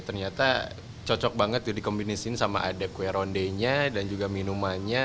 ternyata cocok banget dikombinasiin sama ada kue rondenya dan juga minumannya